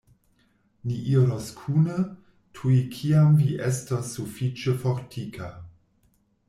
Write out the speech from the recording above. Ni iros kune, tuj kiam vi estos sufiĉe fortika.